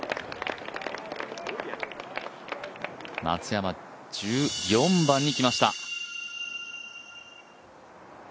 松山、１４番に来ました。